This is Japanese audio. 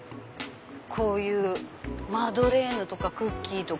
こういうマドレーヌとかクッキーとか。